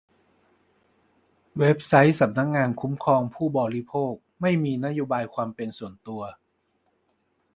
เว็บไซต์สำนักงานคุ้มครองผู้บริโภค ไม่มีนโยบายความเป็นส่วนตัว